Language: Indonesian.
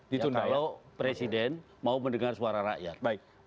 kalau presiden mau mendengar suara rakyat